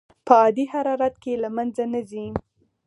په عادي حرارت کې له منځه نه ځي.